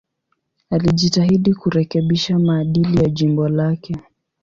Alijitahidi kurekebisha maadili ya jimbo lake.